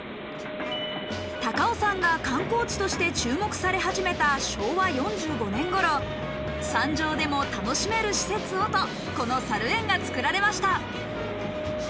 高尾山が観光地として注目され始めた昭和４５年頃、山上でも楽しめる施設をと、このさる園が作られました。